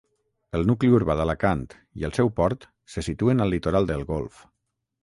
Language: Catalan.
El nucli urbà d'Alacant i el seu port se situen al litoral del golf.